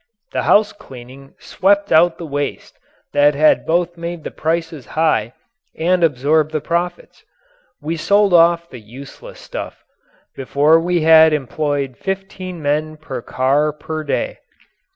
The house cleaning swept out the waste that had both made the prices high and absorbed the profit. We sold off the useless stuff. Before we had employed fifteen men per car per day.